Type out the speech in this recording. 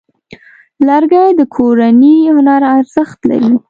لرګی د کورني هنر ارزښت لري.